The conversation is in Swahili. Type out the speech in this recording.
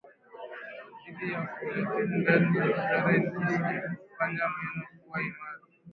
madii ya foleti ndani ya viazi lishe hufanya meno kuwa imara